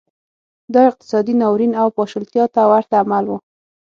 دا اقتصادي ناورین او پاشلتیا ته ورته عمل و